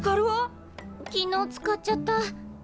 昨日使っちゃった。